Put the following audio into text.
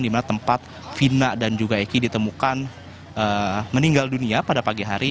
di mana tempat fina dan juga eki ditemukan meninggal dunia pada pagi hari